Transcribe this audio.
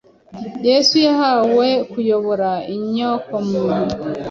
Yesu yahawe kuyobora inyokomuntu,